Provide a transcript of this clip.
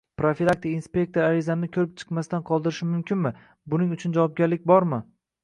Profilaktika inspektori arizamni ko‘rib chiqmasdan qoldirishi mumkinmi? Buning uchun javobgarlik bormi?